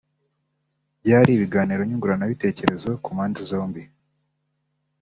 byari ibiganiro nyunguranabitekerezo ku mpande zombi